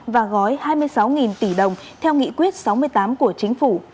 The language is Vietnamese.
và gói hai mươi sáu tỷ đồng theo nghị quyết sáu mươi tám của chính phủ